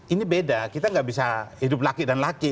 ini beda kita nggak bisa hidup laki dan laki